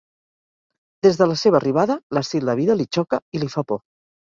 Des de la seva arribada, l'estil de vida li xoca i li fa por.